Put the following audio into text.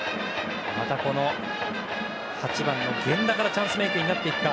また８番の源田からチャンスメイクになっていくか。